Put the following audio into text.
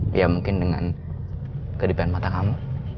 bisa mungkin dengan kedepan mata kamu